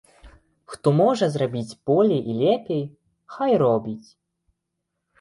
Хто можа зрабіць болей і лепей, хай робіць.